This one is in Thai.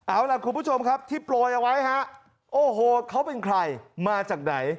เอาล่ะคุณผู้ชมครับที่โปรยเอาไว้ฮะโอ้โหเขาเป็นใครมาจากไหน